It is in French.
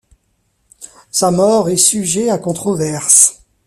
Sa mort est sujet à controverses.